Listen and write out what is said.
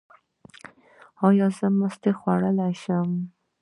ایا زه مستې خوړلی شم؟